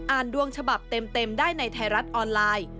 ดวงฉบับเต็มได้ในไทยรัฐออนไลน์